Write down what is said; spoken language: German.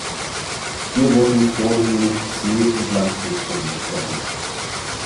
Hier wurden vornehmlich See- und Landflugzeuge gefertigt.